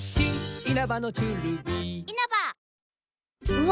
うわ。